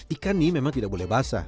ikan nih memang tidak boleh basah